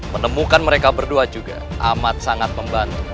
menemukan mereka berdua juga amat sangat membantu